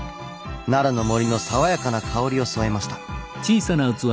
奈良の森の爽やかな香りを添えました。